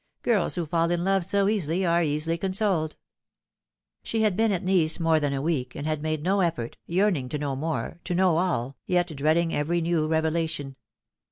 " Girls who fall in love so easily are easily consoled." She had been at Nice more than a week, and had made no effort yearning to know more to know all yet dreading every new revelation.